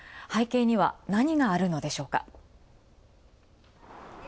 背景には何があるのでしょうか。